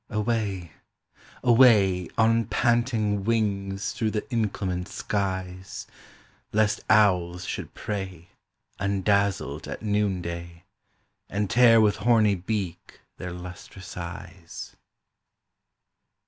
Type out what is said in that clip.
Away, away, On panting wings through the inclement skies, Lest owls should prey Undazzled at noon day, And tear with horny beak their lustrous eyes.